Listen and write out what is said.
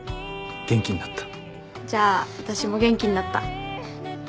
じゃあ私も元気になった。